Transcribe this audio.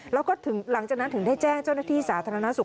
แล้วก็หลังจากนั้นถึงได้แจ้งเจ้าหน้าที่สาธารณสุข